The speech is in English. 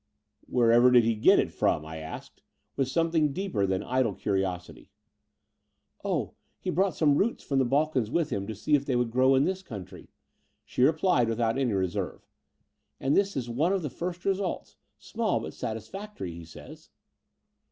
Wherever did he get it from?" I asked, with something deeper than idle curiosity. "Oh, he brought some roots from the Balkans with him to see if they would grow in this coimtry," she replied without any reserve: and this is one of the first results — small but satisfactory, he says."